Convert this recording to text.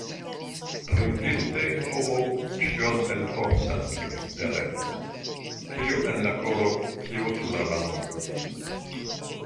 Drinkinte homo ĉion elportas eksteren: kio en la koro, tio sur la lango.